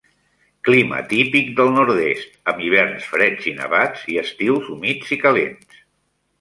Clima típic del nord-est, amb hiverns freds i nevats i estius humits i calents.